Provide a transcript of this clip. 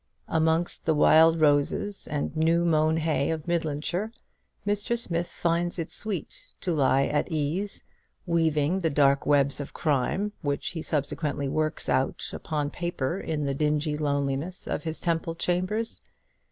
Amongst the wild roses and new mown hay of Midlandshire, Mr. Smith finds it sweet to lie at ease, weaving the dark webs of crime which he subsequently works out upon paper in the dingy loneliness of his Temple chambers.